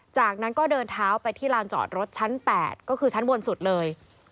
จากนั้นก็เดินเท้าไปที่ลานจอดรถชั้น๘ก็คือชั้นบนสุดเลย